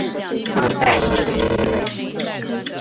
住在纽约。